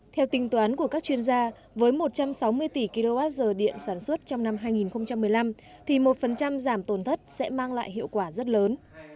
theo tính toán của các chuyên gia với một trăm sáu mươi tỷ kwh điện sản xuất trong năm hai nghìn một mươi năm thì một giảm tổn thất sẽ mang lại hiệu quả rất lớn